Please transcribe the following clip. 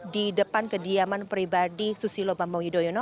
di depan kediaman pribadi susilo bambang yudhoyono